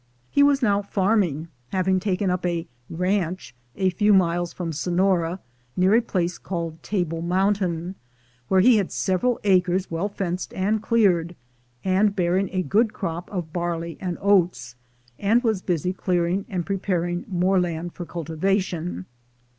He was now farming, having taken up a "ranch" a few miles from Sonora, near a place called Table Mountain, where he had several acres well fenced and cleared, and bearing a good crop of barley and oats, and was busy clearing and preparing more land for cultivation.